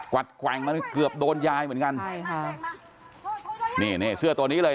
วัดแกว่งมาเกือบโดนยายเหมือนกันใช่ค่ะนี่นี่เสื้อตัวนี้เลย